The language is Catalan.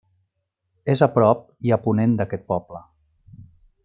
És a prop i a ponent d'aquest poble.